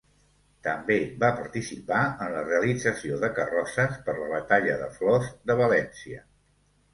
També va participar en la realització de carrosses per la batalla de flors de València.